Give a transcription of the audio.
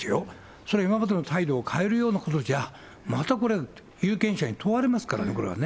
それ今までの態度を変えるようなことじゃ、またこれ、有権者に問われますからね、これはね。